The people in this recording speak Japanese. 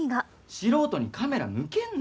素人にカメラ向けんな。